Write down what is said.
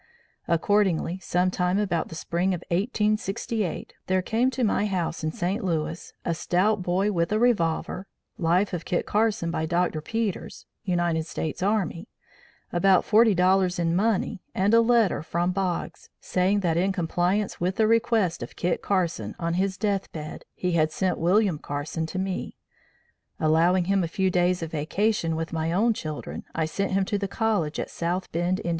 Accordingly, some time about the spring of 1868, there came to my house, in St. Louis, a stout boy with a revolver, Life of Kit Carson by Dr. Peters, United States Army, about $40 in money, and a letter from Boggs, saying that in compliance with the request of Kit Carson, on his death bed, he had sent William Carson to me. Allowing him a few days of vacation with my own children, I sent him to the college at South Bend, Ind.